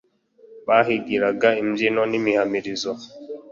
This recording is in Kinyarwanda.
Bahigiraga imbyino n’imihamirizo